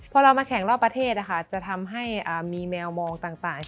พอเรามาแข่งรอบประเทศจะทำให้มีแมวมองต่าง